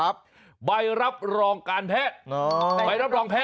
ใบรับรองการแพทย์